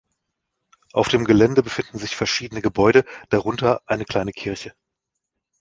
Auf dem Gelände befinden sich verschiedene Gebäude, darunter eine kleine Kirche.